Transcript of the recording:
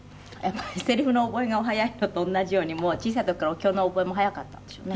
やっぱりセリフの覚えがお早いのと同じようにもう小さい時からお経の覚えも早かったんでしょうね。